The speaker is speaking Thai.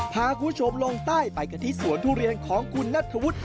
พาคุณผู้ชมลงใต้ไปกันที่สวนทุเรียนของคุณนัทธวุฒิ